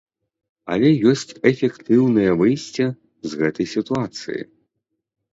Але ёсць эфектыўнае выйсце з гэтай сітуацыі!